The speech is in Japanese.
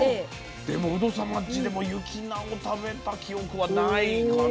でもウド様んちでも雪菜を食べた記憶はないかな。